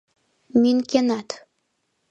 Мӱнкенат